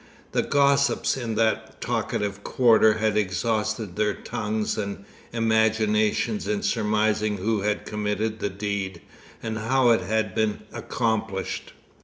The gossips in that talkative quarter had exhausted their tongues and imaginations in surmising who had committed the deed, and how it had been accomplished.